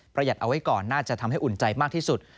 หยัดเอาไว้ก่อนน่าจะทำให้อุ่นใจมากที่สุด